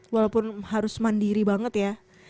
walaupun harus mandiri banget ya